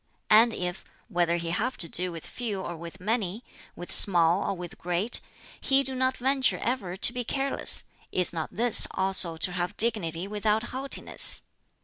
And if whether he have to do with few or with many, with small or with great he do not venture ever to be careless, is not this also to have dignity without haughtiness?